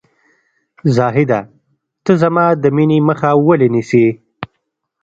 زاهده ! ته زما د مینې مخه ولې نیسې ؟